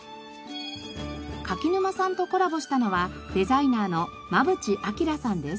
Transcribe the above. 柿沼さんとコラボしたのはデザイナーの馬渕晃さんです。